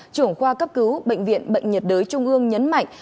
trưởng khoa cấp cứu bệnh viện bệnh nhiệt đới trung ương nhấn mạnh